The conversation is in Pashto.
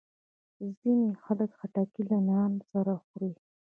ځینې خلک خټکی له نان سره خوري.